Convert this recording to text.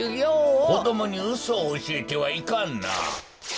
こどもにうそをおしえてはいかんな。